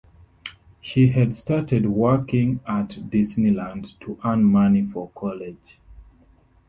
She had started working at Disneyland to earn money for college.